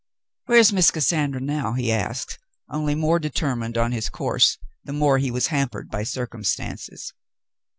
"\Miere's Miss Cassandra now?" he asked, onlv more determined on his course the more he was hampered by circumstances.